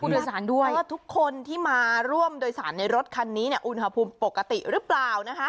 แต่ทุกคนที่ร่วมโดยสารในรถคันนี้อุณหภูมิปกติหรือเปล่า